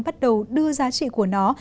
bắt đầu đưa giá trị của nó